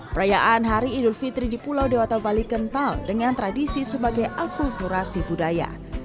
perayaan hari idul fitri di pulau dewata bali kental dengan tradisi sebagai akulturasi budaya